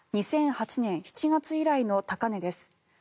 ２００８年７月以来の高値です。